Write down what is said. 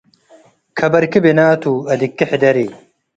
ከበርኪ ብናቱ አድግኪ ሕደሪ።